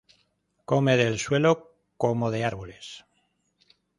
Come del suelo como de árboles.